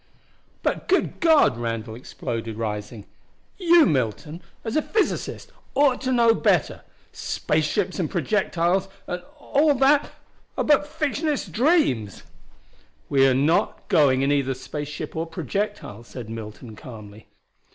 "But good God!" Randall exploded, rising. "You, Milton, as a physicist ought to know better. Space ships and projectiles and all that are but fictionists' dreams." "We are not going in either space ship or projectile," said Milton calmly.